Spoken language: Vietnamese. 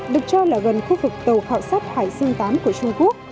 được cho là gần khu vực tàu khảo sát hải dương viii của trung quốc